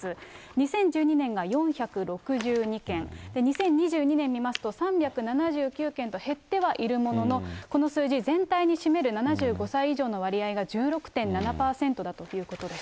２０１２年が４６２件、２０２２年見ますと、３７９件と減ってはいるものの、この数字全体に占める、７５歳以上の占める割合は１６．７％だということです。